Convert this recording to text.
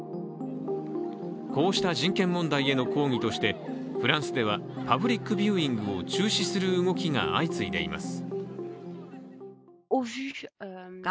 こうした人権問題への抗議として、フランスではパブリックビューイングを中止する動きが相次いでいます。